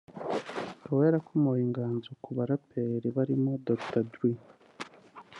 akaba yarakomoye inganzo ku baraperi barimo Dr Dre